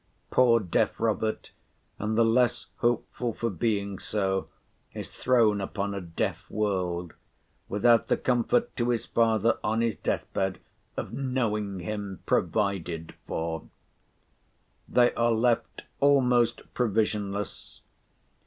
Poor deaf Robert (and the less hopeful for being so) is thrown upon a deaf world, without the comfort to his father on his death bed of knowing him provided for. They are left almost provisionless.